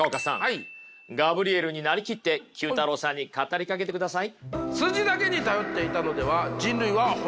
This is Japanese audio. ガブリエルに成りきって９太郎さんに語りかけてください。